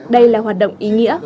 đây là hoạt động ý nghĩa